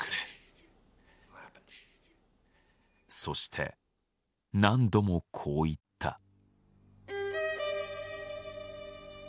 そして何度もこう言った。